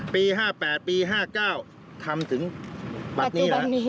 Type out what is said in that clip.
ปี๑๙๕๘ปี๑๙๕๙ทำถึงปัจจุแบบนี้